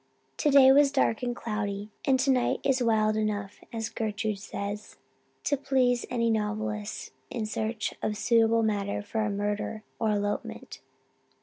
"Today was dark and cloudy and tonight is wild enough, as Gertrude says, to please any novelist in search of suitable matter for a murder or elopement.